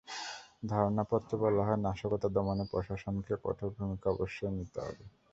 ধারণাপত্রে বলা হয়, নাশকতা দমনে প্রশাসনকে কঠোর ভূমিকা অবশ্যই নিতে হবে।